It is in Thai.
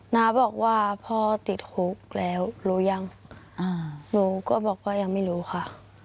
น้าบอกว่าพ่อติดคุกแล้วรู้ยังหนูก็บอกว่ายังไม่รู้ค่ะ